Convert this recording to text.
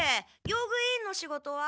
用具委員の仕事は？